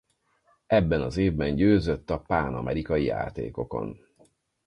Ebben az évben győzött a pánamerikai játékokon.